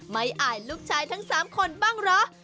ไม้อายลูกชายทั้งสามคนบ้างเหรอ